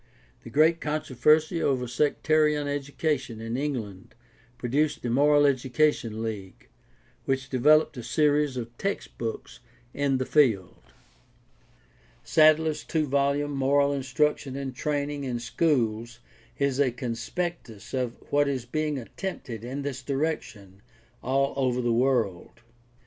The great controversy over sectarian education in England produced the Moral Education League, which developed a series of textbooks in the field. Sadler's two volume Moral Instruction and Training in Schools is a con spectus of what is being attempted in this direction all over the world.